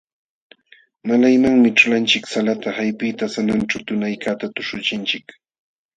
Malaymanmi ćhulanchik salata hapiqta sananćhu tunaykaqta tuśhuchinchik.